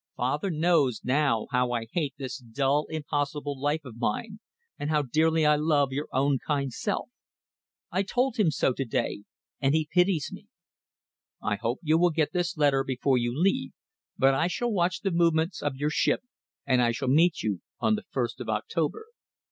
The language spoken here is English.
Father knows now how I hate this dull, impossible life of mine, and how dearly I love your own kind self. I told him so to day, and he pities me. I hope you will get this letter before you leave, but I shall watch the movements of your ship, and I shall meet you on the first of October.